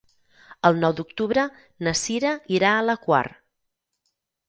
El nou d'octubre na Sira irà a la Quar.